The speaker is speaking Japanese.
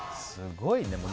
すごいね。